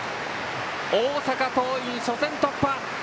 大阪桐蔭、初戦突破！